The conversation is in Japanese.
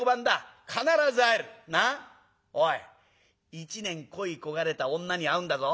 一年恋い焦がれた女に会うんだぞ。